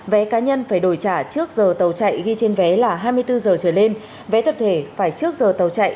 vé cá nhân phải đổi trả trước giờ tàu chạy ghi trên vé là hai mươi bốn giờ trở lên vé tập thể phải trước giờ tàu chạy